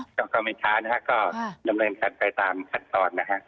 เหรอเหรอก็ไม่ช้านะครับก็เดี๋ยวทำเรื่องคลับไปตามคัดตรงนะฮะ